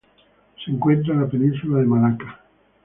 Se encuentra en la península de Malaca.